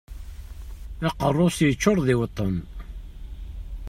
Aqerru-s yeččuṛ d iweṭṭen.